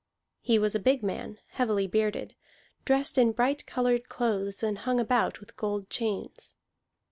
He was a big man, heavily bearded, dressed in bright colored clothes and hung about with gold chains.